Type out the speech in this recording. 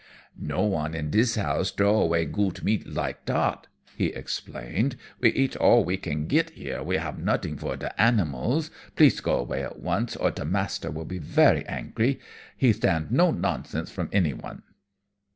"'No one in dis house trow away gut meat like dat,' he explained, 'we eat all we can git here, we have nutting for de animals. Please go away at once, or de master will be very angry. He stand no nonsense from anyone.'